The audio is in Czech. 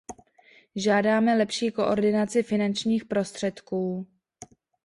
Žádáme lepší koordinaci finančních prostředků.